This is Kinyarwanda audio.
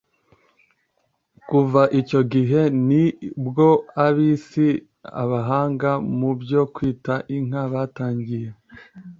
Kuva icyo gihe ni bwo Abisi abahanga mu byo kwita inka batangiye